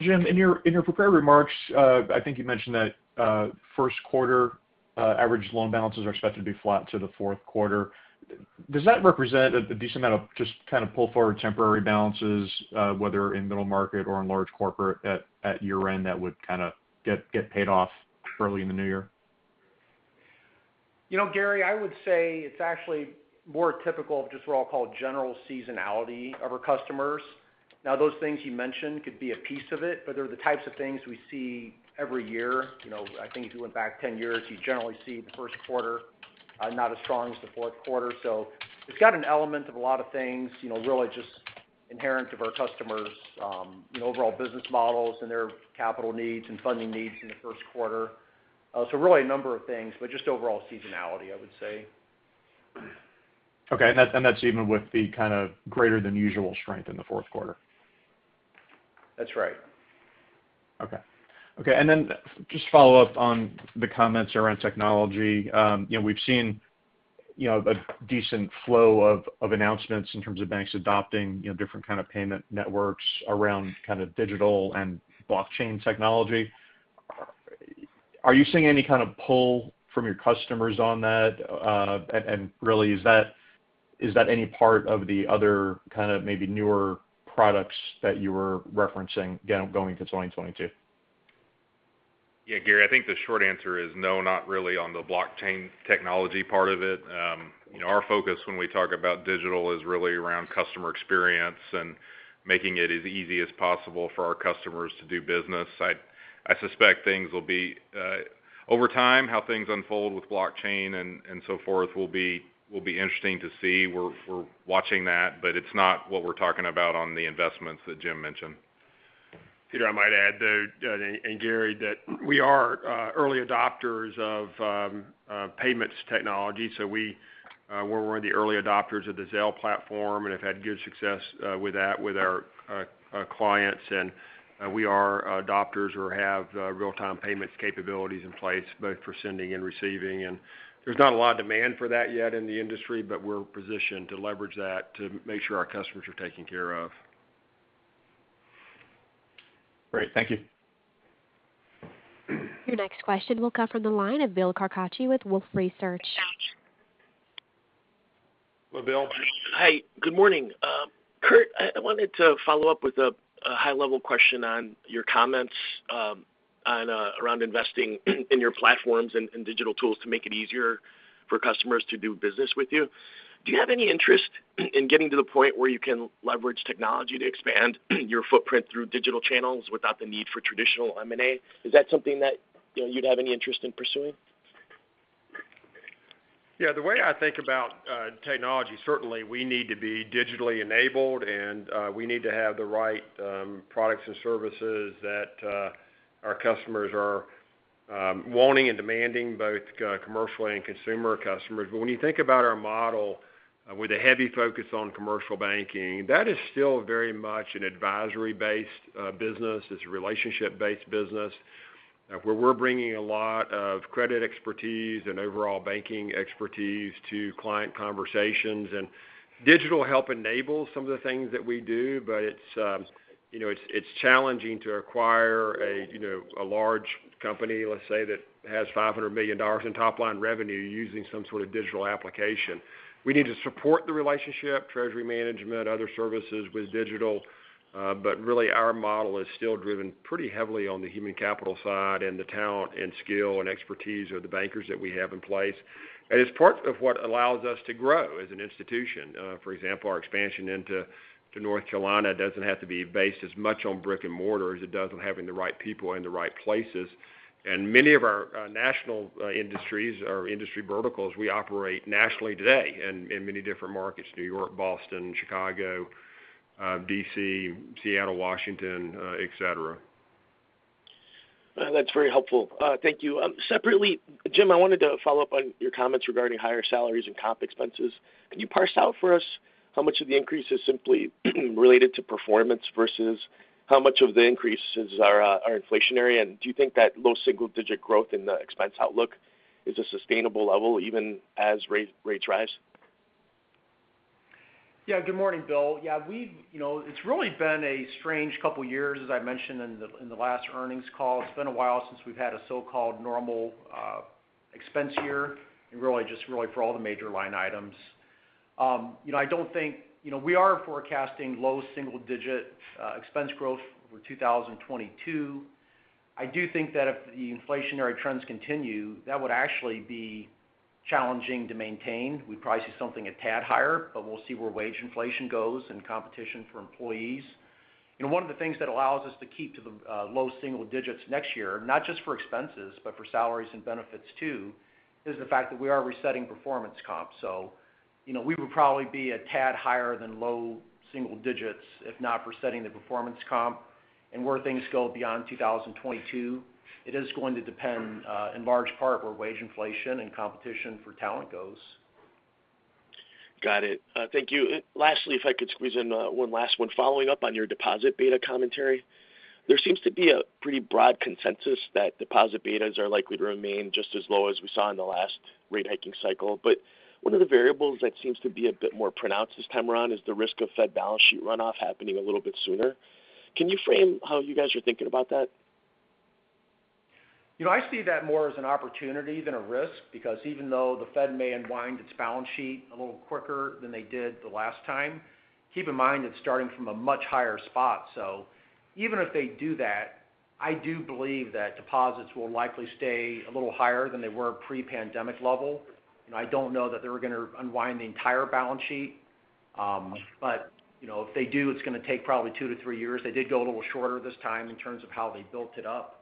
Jim, in your prepared remarks, I think you mentioned that first quarter average loan balances are expected to be flat to the fourth quarter. Does that represent a decent amount of just kind of pull forward temporary balances, whether in middle market or in large corporate at year-end that would kind of get paid off early in the new year? You know, Gary, I would say it's actually more typical of just what I'll call general seasonality of our customers. Now, those things you mentioned could be a piece of it, but they're the types of things we see every year. You know, I think if you went back 10 years, you generally see the first quarter not as strong as the fourth quarter. It's got an element of a lot of things, you know, really just inherent of our customers' you know, overall business models and their capital needs and funding needs in the first quarter. Really a number of things, but just overall seasonality, I would say. Okay. That's even with the kind of greater than usual strength in the fourth quarter? That's right. Okay. Just follow up on the comments around technology. You know, we've seen you know, a decent flow of announcements in terms of banks adopting you know, different kind of payment networks around kind of digital and blockchain technology. Are you seeing any kind of pull from your customers on that? Really, is that any part of the other kind of maybe newer products that you were referencing, again, going to 2022? Yeah, Gary, I think the short answer is no, not really on the blockchain technology part of it. You know, our focus when we talk about digital is really around customer experience and making it as easy as possible for our customers to do business. I suspect things will be. Over time, how things unfold with blockchain and so forth will be interesting to see. We're watching that, but it's not what we're talking about on the investments that Jim mentioned. Peter, I might add, though, and Gary, that we are early adopters of payments technology. We were the early adopters of the Zelle platform and have had good success with that with our clients. We are adopters or have real-time payments capabilities in place both for sending and receiving. There's not a lot of demand for that yet in the industry, but we're positioned to leverage that to make sure our customers are taken care of. Great. Thank you. Your next question will come from the line of Bill Carcache with Wolfe Research. Good morning, Bill. Hi. Good morning. Curt, I wanted to follow up with a high-level question on your comments on around investing in your platforms and digital tools to make it easier for customers to do business with you. Do you have any interest in getting to the point where you can leverage technology to expand your footprint through digital channels without the need for traditional M&A? Is that something that, you know, you'd have any interest in pursuing? Yeah. The way I think about technology, certainly we need to be digitally enabled, and we need to have the right products and services that our customers are wanting and demanding, both commercial and consumer customers. When you think about our model with a heavy focus on commercial banking, that is still very much an advisory-based business. It's a relationship-based business. Where we're bringing a lot of credit expertise and overall banking expertise to client conversations. Digital help enables some of the things that we do, but it's you know, it's challenging to acquire you know, a large company, let's say, that has $500 million in top line revenue using some sort of digital application. We need to support the relationship, treasury management, other services with digital. Really our model is still driven pretty heavily on the human capital side and the talent and skill and expertise of the bankers that we have in place. It's part of what allows us to grow as an institution. For example, our expansion into North Carolina doesn't have to be based as much on brick and mortar as it does on having the right people in the right places. Many of our national industries or industry verticals. We operate nationally today in many different markets, New York, Boston, Chicago, D.C., Seattle, Washington, et cetera. That's very helpful. Thank you. Separately, Jim, I wanted to follow up on your comments regarding higher salaries and comp expenses. Can you parse out for us how much of the increase is simply related to performance versus how much of the increases are inflationary? And do you think that low single digit growth in the expense outlook is a sustainable level even as rates rise? Good morning, Bill. You know, it's really been a strange couple of years, as I mentioned in the last earnings call. It's been a while since we've had a so-called normal expense year, and really, just really for all the major line items. You know, I don't think you know, we are forecasting low single-digit expense growth for 2022. I do think that if the inflationary trends continue, that would actually be challenging to maintain. We'd probably see something a tad higher, but we'll see where wage inflation goes and competition for employees. You know, one of the things that allows us to keep to the low single digits next year, not just for expenses, but for salaries and benefits too, is the fact that we are resetting performance comp. You know, we would probably be a tad higher than low single digits if not for setting the performance comp. Where things go beyond 2022, it is going to depend in large part where wage inflation and competition for talent goes. Got it. Thank you. Lastly, if I could squeeze in, one last one following up on your deposit beta commentary. There seems to be a pretty broad consensus that deposit betas are likely to remain just as low as we saw in the last rate hiking cycle. One of the variables that seems to be a bit more pronounced this time around is the risk of Fed balance sheet runoff happening a little bit sooner. Can you frame how you guys are thinking about that? You know, I see that more as an opportunity than a risk because even though the Fed may unwind its balance sheet a little quicker than they did the last time, keep in mind it's starting from a much higher spot. Even if they do that, I do believe that deposits will likely stay a little higher than they were pre-pandemic level. You know, I don't know that they were going to unwind the entire balance sheet. You know, if they do, it's going to take probably 2-3 years. They did go a little shorter this time in terms of how they built it up.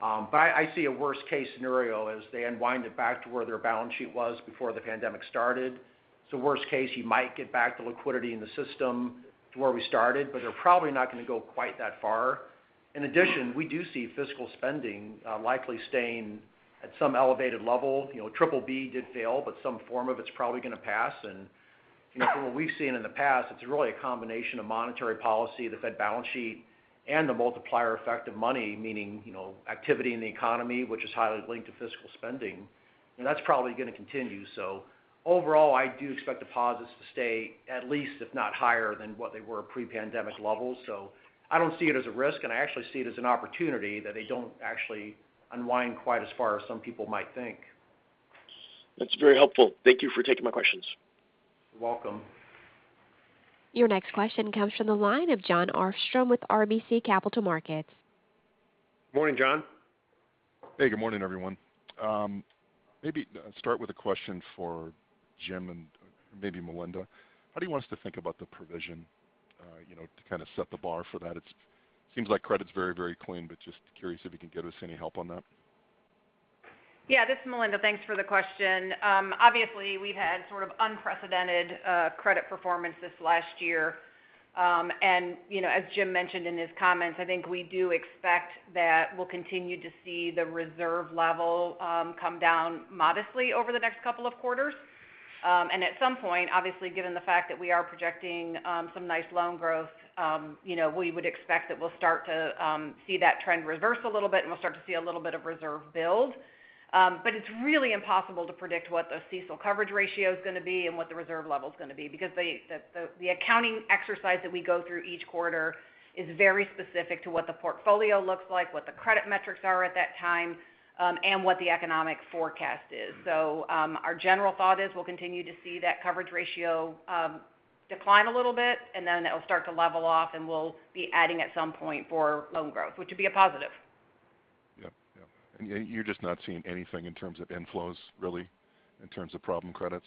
I see a worst case scenario as they unwind it back to where their balance sheet was before the pandemic started. Worst case, you might get back the liquidity in the system to where we started, but they're probably not going to go quite that far. In addition, we do see fiscal spending likely staying at some elevated level. You know, BBB did fail, but some form of it is probably going to pass. You know, from what we've seen in the past, it's really a combination of monetary policy, the Fed balance sheet, and the multiplier effect of money, meaning, you know, activity in the economy, which is highly linked to fiscal spending, and that's probably going to continue. Overall, I do expect deposits to stay at least, if not higher than what they were pre-pandemic levels. I don't see it as a risk, and I actually see it as an opportunity that they don't actually unwind quite as far as some people might think. That's very helpful. Thank you for taking my questions. You're welcome. Your next question comes from the line of Jon Arfstrom with RBC Capital Markets. Morning, John. Hey, good morning, everyone. Maybe start with a question for Jim and maybe Melinda. How do you want us to think about the provision, you know, to kind of set the bar for that? It seems like credit is very, very clean, but just curious if you can give us any help on that. Yeah, this is Melinda. Thanks for the question. Obviously, we've had sort of unprecedented credit performance this last year. You know, as Jim mentioned in his comments, I think we do expect that we'll continue to see the reserve level come down modestly over the next couple of quarters. At some point, obviously, given the fact that we are projecting some nice loan growth, you know, we would expect that we'll start to see that trend reverse a little bit and we'll start to see a little bit of reserve build. It's really impossible to predict what the CECL coverage ratio is going to be and what the reserve level is going to be because the accounting exercise that we go through each quarter is very specific to what the portfolio looks like, what the credit metrics are at that time, and what the economic forecast is. Our general thought is we'll continue to see that coverage ratio decline a little bit, and then that will start to level off and we'll be adding at some point for loan growth, which would be a positive. Yeah. You're just not seeing anything in terms of inflows, really, in terms of problem credits?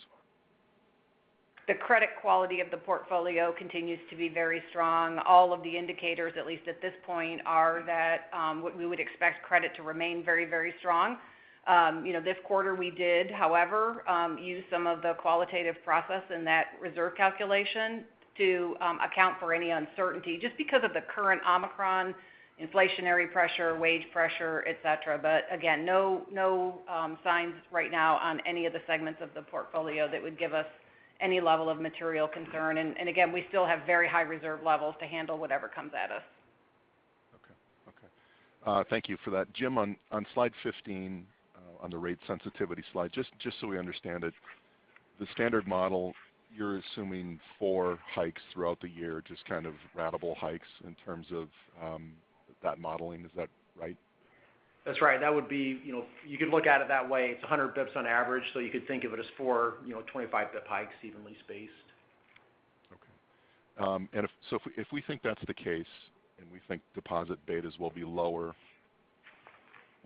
The credit quality of the portfolio continues to be very strong. All of the indicators, at least at this point, are that we would expect credit to remain very, very strong. You know, this quarter we did, however, use some of the qualitative process in that reserve calculation to account for any uncertainty just because of the current Omicron inflationary pressure, wage pressure, et cetera. Again, no signs right now on any of the segments of the portfolio that would give us any level of material concern. Again, we still have very high reserve levels to handle whatever comes at us. Okay. Thank you for that. Jim, on slide 15, on the rate sensitivity slide, just so we understand it, the standard model, you're assuming four hikes throughout the year, just kind of ratable hikes in terms of that modeling. Is that right? That's right. That would be, you know, you could look at it that way. It's 100 basis points on average, so you could think of it as four hikes, you know, 25 basis point hikes evenly spaced. Okay. So if we think that's the case, and we think deposit betas will be lower,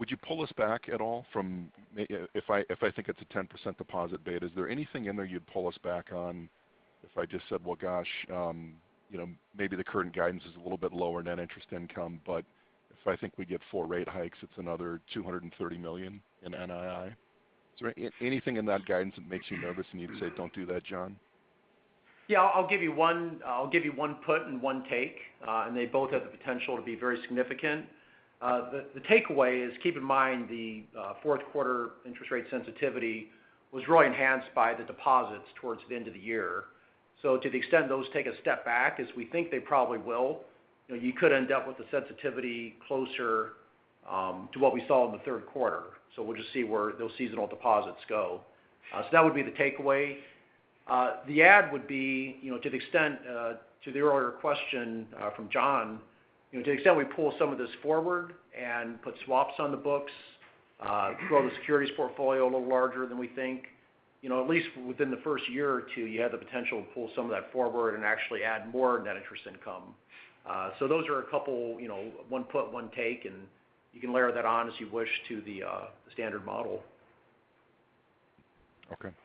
would you pull us back at all if I think it's a 10% deposit beta, is there anything in there you'd pull us back on if I just said, well, gosh, you know, maybe the current guidance is a little bit lower net interest income, but if I think we get 4 rate hikes, it's another $230 million in NII? Is there anything in that guidance that makes you nervous and you'd say, don't do that, Jon? Yeah, I'll give you one put and one take, and they both have the potential to be very significant. The takeaway is keep in mind the fourth quarter interest rate sensitivity was really enhanced by the deposits towards the end of the year. To the extent those take a step back, as we think they probably will, you know, you could end up with a sensitivity closer to what we saw in the third quarter. We'll just see where those seasonal deposits go. That would be the takeaway. The add would be, you know, to the extent to the earlier question from John, you know, to the extent we pull some of this forward and put swaps on the books, grow the securities portfolio a little larger than we think, you know, at least within the first year or two, you have the potential to pull some of that forward and actually add more net interest income. Those are a couple, you know, one put, one take, and you can layer that on as you wish to the standard model. Okay.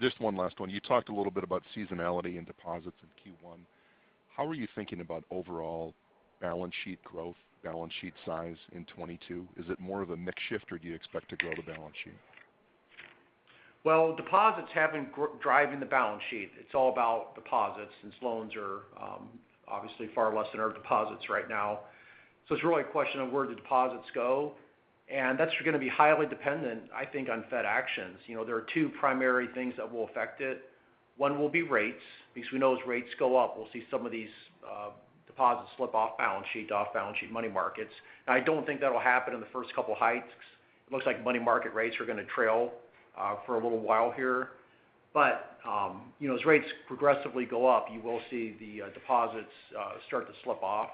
Just one last one. You talked a little bit about seasonality and deposits in Q1. How are you thinking about overall balance sheet growth, balance sheet size in 2022? Is it more of a mix shift or do you expect to grow the balance sheet? Well, deposits have been driving the balance sheet. It's all about deposits since loans are obviously far less than our deposits right now. It's really a question of where the deposits go, and that's gonna be highly dependent, I think, on Fed actions. You know, there are two primary things that will affect it. One will be rates, because we know as rates go up, we'll see some of these deposits slip off balance sheet, off balance sheet money markets. I don't think that'll happen in the first couple hikes. It looks like money market rates are gonna trail for a little while here. You know, as rates progressively go up, you will see the deposits start to slip off.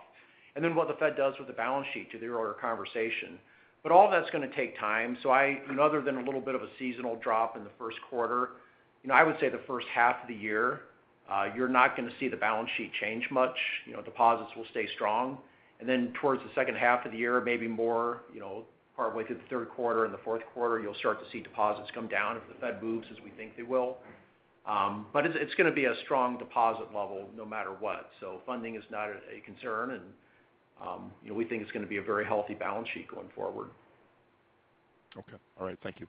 Then what the Fed does with the balance sheet refers to the earlier conversation. All that's gonna take time. I, you know, other than a little bit of a seasonal drop in the first quarter, you know, I would say the first half of the year, you're not gonna see the balance sheet change much. You know, deposits will stay strong. Then towards the second half of the year, maybe more, you know, partway through the third quarter and the fourth quarter, you'll start to see deposits come down if the Fed moves as we think they will. But it's gonna be a strong deposit level no matter what. Funding is not a concern and, you know, we think it's gonna be a very healthy balance sheet going forward. Okay. All right. Thank you.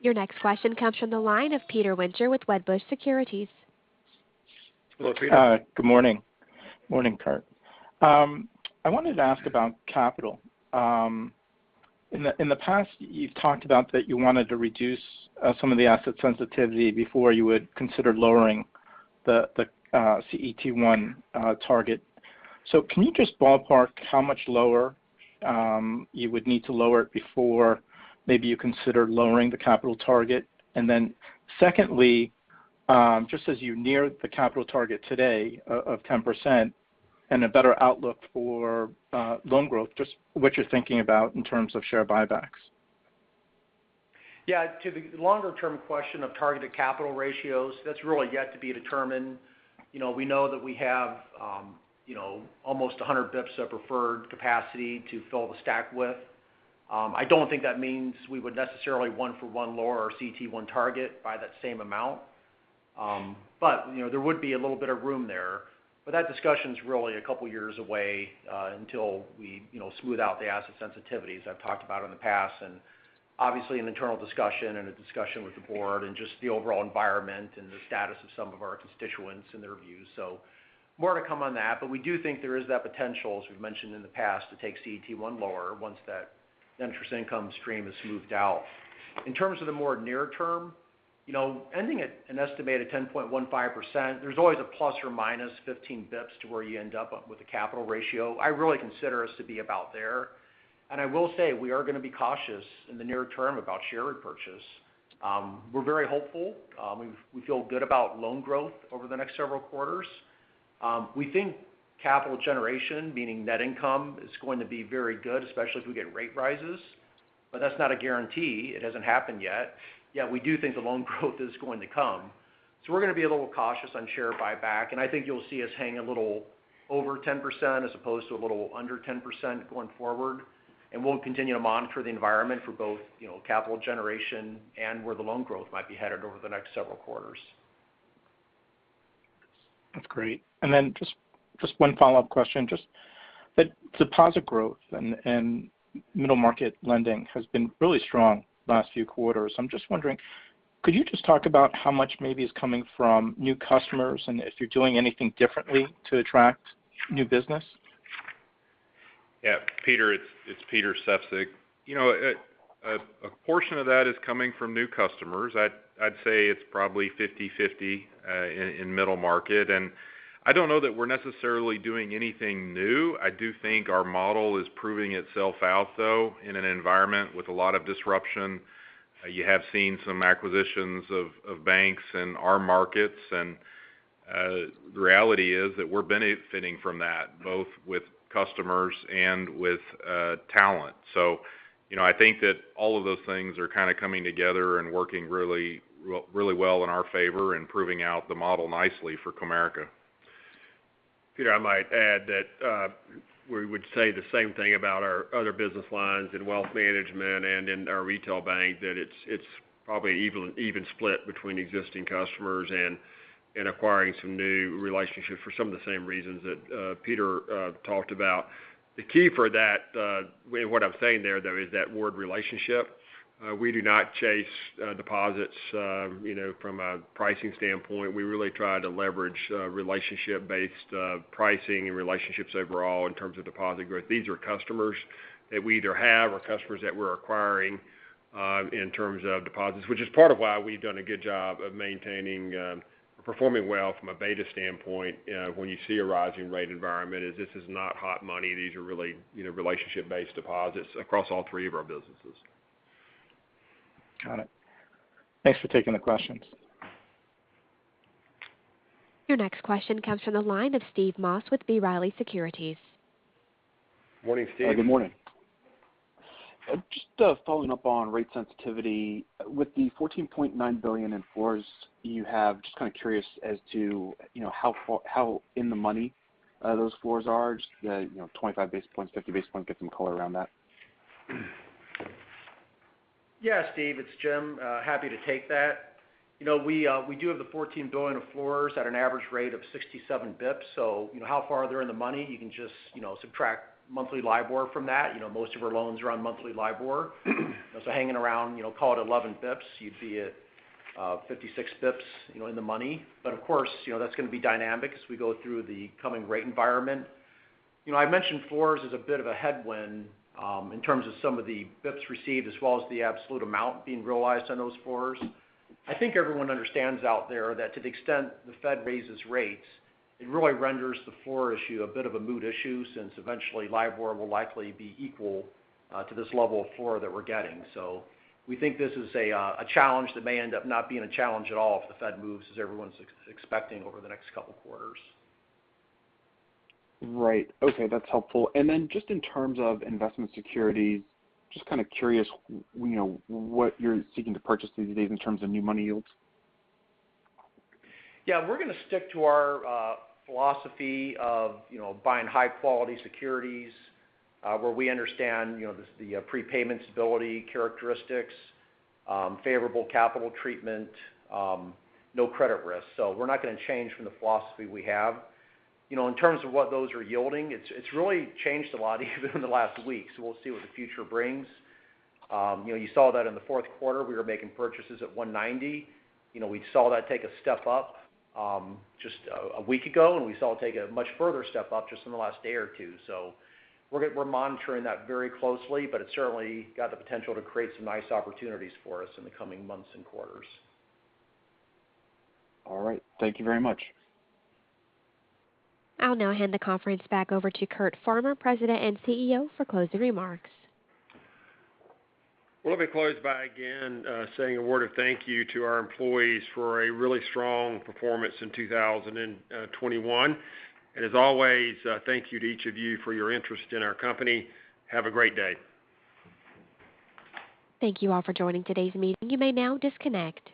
Your next question comes from the line of Peter Winter with Wedbush Securities. Hello, Peter. Good morning. Morning, Curt. I wanted to ask about capital. In the past, you've talked about that you wanted to reduce some of the asset sensitivity before you would consider lowering the CET1 target. Can you just ballpark how much lower you would need to lower it before maybe you consider lowering the capital target? Then secondly, just as you near the capital target today of 10% and a better outlook for loan growth, just what you're thinking about in terms of share buybacks? Yeah. To the longer term question of targeted capital ratios, that's really yet to be determined. You know, we know that we have, you know, almost 100 basis points of preferred capacity to fill the stack with. I don't think that means we would necessarily one for one lower our CET1 target by that same amount. But, you know, there would be a little bit of room there. That discussion is really a couple years away, until we, you know, smooth out the asset sensitivities I've talked about in the past. Obviously an internal discussion and a discussion with the board and just the overall environment and the status of some of our constituents and their views. More to come on that. We do think there is that potential, as we've mentioned in the past, to take CET1 lower once that interest income stream is smoothed out. In terms of the more near term, you know, ending at an estimated 10.15%, there's always a plus or minus 15 basis points to where you end up with the capital ratio. I really consider us to be about there. I will say we are gonna be cautious in the near term about share repurchase. We're very hopeful. We feel good about loan growth over the next several quarters. We think capital generation, meaning net income, is going to be very good, especially if we get rate rises. That's not a guarantee. It hasn't happened yet. Yet we do think the loan growth is going to come. We're gonna be a little cautious on share buyback, and I think you'll see us hang a little over 10% as opposed to a little under 10% going forward. We'll continue to monitor the environment for both, you know, capital generation and where the loan growth might be headed over the next several quarters. That's great. Just one follow-up question. Just the deposit growth and middle market lending has been really strong last few quarters. I'm just wondering, could you just talk about how much maybe is coming from new customers and if you're doing anything differently to attract new business? Yeah, Peter, it's Peter Sefzik. You know, a portion of that is coming from new customers. I'd say it's probably 50/50 in middle market. I don't know that we're necessarily doing anything new. I do think our model is proving itself out, though, in an environment with a lot of disruption. You have seen some acquisitions of banks in our markets. The reality is that we're benefiting from that, both with customers and with talent. You know, I think that all of those things are kind of coming together and working really, really well in our favor and proving out the model nicely for Comerica. Peter, I might add that we would say the same thing about our other business lines in Wealth Management and in our Retail Bank, that it's probably even split between existing customers and acquiring some new relationships for some of the same reasons that Peter talked about. The key for that, what I'm saying there, though, is that word relationship. We do not chase deposits, you know, from a pricing standpoint. We really try to leverage relationship-based pricing and relationships overall in terms of deposit growth. These are customers that we either have or customers that we're acquiring in terms of deposits which is part of why we've done a good job of maintaining performing well from a beta standpoint when you see a rising rate environment, is this is not hot money. These are really, you know, relationship-based deposits across all three of our businesses. Got it. Thanks for taking the questions. Your next question comes from the line of Steve Moss with B. Riley Securities. Morning, Steve. Just following up on rate sensitivity. With the $14.9 billion in floors you have, just kind of curious as to, you know, how in the money those floors are. Just, you know, 25 basis points, 50 basis points, get some color around that. Yeah, Steve, it's Jim. Happy to take that. You know, we do have the $14 billion of floors at an average rate of 67 basis points. So you know how far they're in the money, you can just, you know, subtract monthly LIBOR from that. You know, most of our loans are on monthly LIBOR. So hanging around, you know, call it 11 basis points, you'd be at 56 basis points, you know, in the money. But of course, you know, that's going to be dynamic as we go through the coming rate environment. You know, I mentioned floors as a bit of a headwind, in terms of some of the basis points received as well as the absolute amount being realized on those floors. I think everyone understands out there that to the extent the Fed raises rates, it really renders the floor issue a bit of a moot issue, since eventually LIBOR will likely be equal to this level of floor that we're getting. We think this is a challenge that may end up not being a challenge at all if the Fed moves as everyone's expecting over the next couple quarters. Right. Okay, that's helpful. Just in terms of investment securities, just kind of curious, you know, what you're seeking to purchase these days in terms of new money yields? Yeah, we're going to stick to our philosophy of, you know, buying high-quality securities, where we understand, you know, the prepayments ability, characteristics, favorable capital treatment, no credit risk. We're not going to change from the philosophy we have. You know, in terms of what those are yielding, it's really changed a lot even in the last week, so we'll see what the future brings. You know, you saw that in the fourth quarter, we were making purchases at $1.90. You know, we saw that take a step up just a week ago, and we saw it take a much further step up just in the last day or two. We're monitoring that very closely, but it's certainly got the potential to create some nice opportunities for us in the coming months and quarters. All right. Thank you very much. I'll now hand the conference back over to Curt Farmer, President and CEO, for closing remarks. Well, let me close by again saying a word of thank you to our employees for a really strong performance in 2021. As always, thank you to each of you for your interest in our company. Have a great day. Thank you all for joining today's meeting. You may now disconnect.